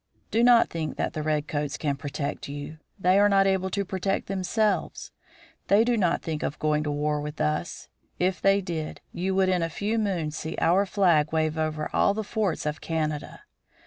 Do not think that the red coats can protect you; they are not able to protect themselves. They do not think of going to war with us. If they did, you would in a few moons see our flag wave over all the forts of Canada.